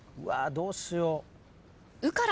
どうしよう。